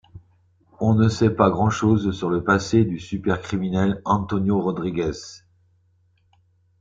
On ne sait pas grand-chose sur le passé du super-criminel Antonio Rodriguez.